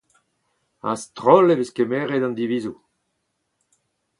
A-stroll e vez kemeret an divizoù.